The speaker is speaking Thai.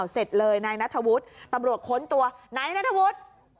เสร็จเลยนายนัทธวุฒิศรีกมลตำรวจค้นตัวไหนนัทธวุฒิศรีกมล